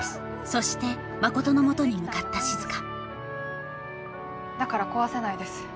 そして真琴のもとに向かった静だから壊せないです